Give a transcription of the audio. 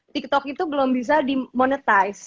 tiktok itu belum bisa di monetize